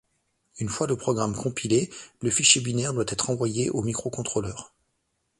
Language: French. Une fois le programme compilé, le fichier binaire doit être envoyé au microcontrôleur.